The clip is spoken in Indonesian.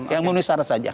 yang memenuhi syarat saja